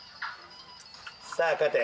さあ勝て。